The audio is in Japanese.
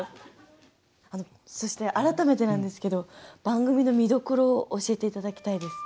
あのそして改めてなんですけど番組の見どころを教えていただきたいです。